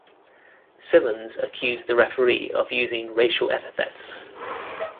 Simmons accused the referee of using racial epithets.